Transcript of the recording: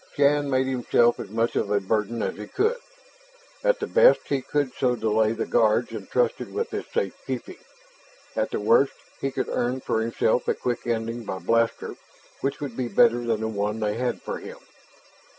Shann made himself as much of a burden as he could. At the best, he could so delay the guards entrusted with his safekeeping; at the worst, he could earn for himself a quick ending by blaster which would be better than the one they had for him.